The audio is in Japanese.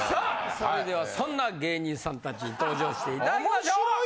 それではそんな芸人さん達に登場して頂きましょう！